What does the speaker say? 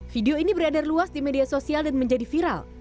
video ini berada luas di media sosial